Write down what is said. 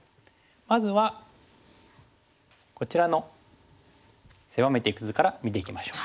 まずはこちらの狭めていく図から見ていきましょう。